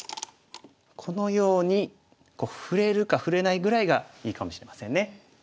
このように触れるか触れないぐらいがいいかもしれませんね。